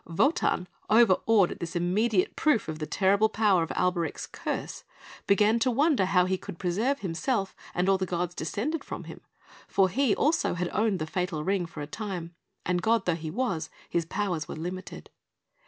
Wotan, over awed at this immediate proof of the terrible power of Alberic's curse, began to wonder how he could preserve himself and all the gods descended from him; for he, also, had owned the fatal Ring for a time, and, god though he was, his powers were limited.